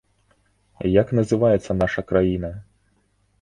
Як называецца наша краіна?